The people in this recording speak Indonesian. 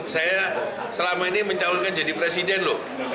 saya selama ini mencalonkan jadi presiden loh